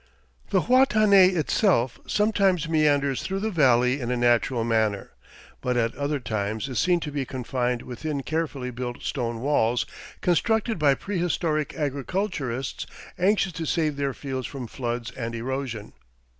The Huatanay itself sometimes meanders through the valley in a natural manner, but at other times is seen to be confined within carefully built stone walls constructed by prehistoric agriculturists anxious to save their fields from floods and erosion.